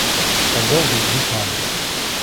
Sa gorge est gris pâle.